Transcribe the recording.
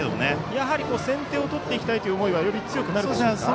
やはり先手を取っていきたいという思いはより強くなりますか。